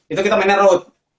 itu kita mainnya road